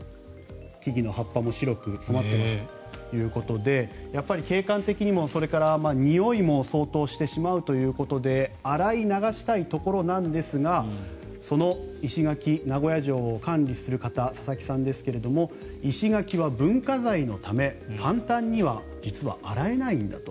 木々の葉っぱも白く染まっていますということでやっぱり景観的にもそれからにおいも相当してしまうということで洗い流したいところなんですがその石垣名古屋城を管理する方の佐々木さんですが石垣は文化財なので実は洗えないんだと。